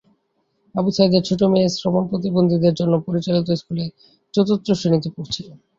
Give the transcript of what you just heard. আবু সাঈদের ছোট মেয়ে শ্রবণপ্রতিবন্ধীদের জন্য পরিচালিত স্কুলে চতুর্থ শ্রেণিতে পড়ছে।